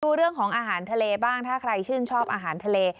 ดูเรื่องของอาหารทะเลบ้างถ้าใครชื่นชอบอาหารทะเล